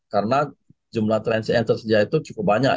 karena jumlah train set yang tersedia itu cukup banyak